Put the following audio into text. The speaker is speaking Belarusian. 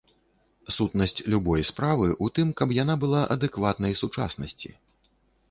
Сутнасць любой справы ў тым, каб яна была адэкватнай сучаснасці.